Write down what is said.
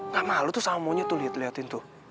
gak malu tuh sama monyet tuh liat liatin tuh